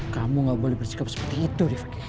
kamu gak boleh bersikap seperti itu rifki